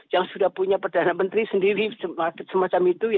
yang sudah punya perdana menteri sendiri semacam itu